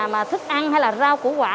người ta ăn hay là rau củ quả